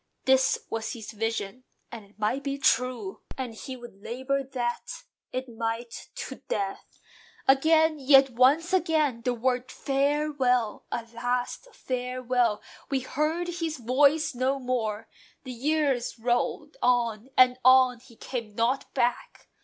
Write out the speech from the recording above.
This was his vision; and it might be true; And he would labour that it might, to death! Again, yet once again, the word, "Farewell!" A last farewell: we heard his voice no more. The years rolled on, and on: he came not back.